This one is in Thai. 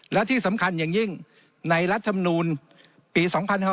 และที่สำคัญอย่างยิ่งในรัฐมนูลปี๒๕๖๒